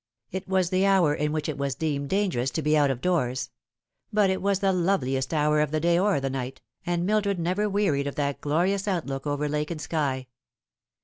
It was the hour in which it was deemed dangerous to be out of doors ; but it was the loveliest hour of the day or the night, and Mildred never wearied of that glorious outlook over lake and sky.